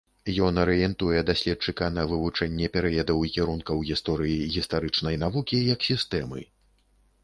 Ён арыентуе даследчыка на вывучэнне перыядаў і кірункаў гісторыі гістарычнай навукі як сістэмы.